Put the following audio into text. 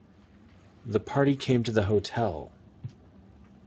The party came to the hotel.